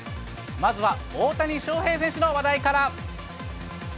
まずは大谷翔平選手の話題から。